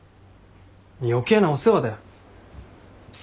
余計なお世話だよ。